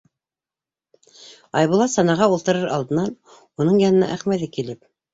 Айбулат санаға ултырыр алдынан, уның янына Әхмәҙи килеп: